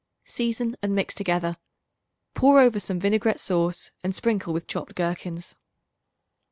Season and mix together. Pour over some vinaigrette sauce, and sprinkle with chopped gherkins.